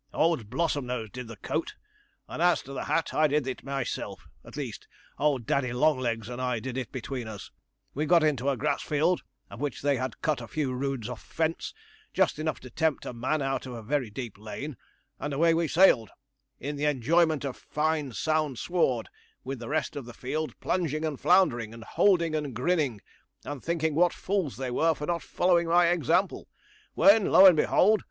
'Old Blossomnose did the coat; and as to the hat, I did it myself at least, old Daddy Longlegs and I did it between us. We got into a grass field, of which they had cut a few roods of fence, just enough to tempt a man out of a very deep lane, and away we sailed, in the enjoyment of fine sound sward, with the rest of the field plunging and floundering, and holding and grinning, and thinking what fools they were for not following my example when, lo and behold!